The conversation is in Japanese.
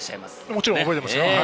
もちろん覚えていますよ。